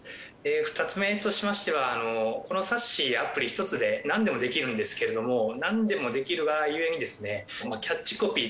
２つ目としましてはこのＳａｓｓｙアプリひとつで何でもできるんですけれども何でもできるがゆえにですね。